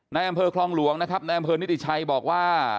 ในอำเภอคลองหลวงนะครับในอำเภอนิติชัยบอกว่า